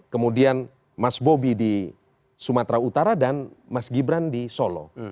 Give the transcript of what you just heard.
kemudian mas bobi di sumatera utara dan mas gibran di solo